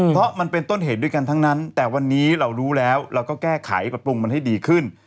เพราะมันเป็นต้นเหตุด้วยกันทั้งนั้นแต่วันนี้เรารู้แล้วเราก็แก้ไขปรับปรุงมันให้ดีขึ้น